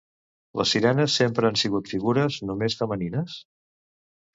Les sirenes sempre han sigut figures només femenines?